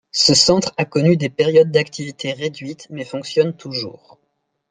Ce centre a connu des périodes d'activité réduite, mais fonctionne toujours.